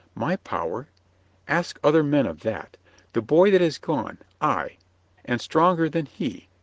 "My power? Ask other men of that. The boy that is gone — ay, and stronger than he.